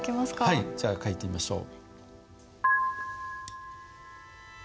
はいじゃあ書いてみましょう。